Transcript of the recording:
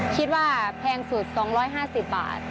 คิดว่าแพงสุด๒๕๐บาท